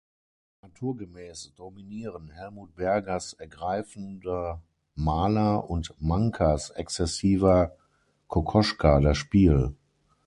Naturgemäß dominieren Helmut Bergers ergreifender Mahler und Mankers exzessiver Kokoschka das Spiel.